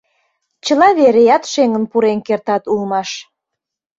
Чыла вереат шеҥын пурен кертат улмаш...»